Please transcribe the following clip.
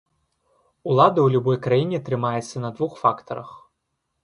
Улада ў любой краіне трымаецца на двух фактарах.